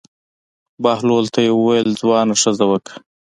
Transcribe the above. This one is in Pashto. بهلول ته یې وویل: ځوانه ښځه وکړه.